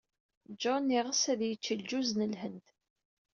Jean yeɣs ad yečč lǧuz n Lhend.